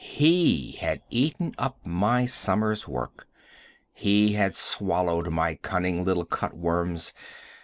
He had eaten up my summer's work! He had swallowed my cunning little cut worms.